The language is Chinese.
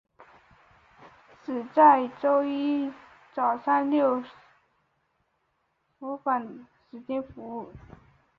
只在周一至六早上繁忙时间服务。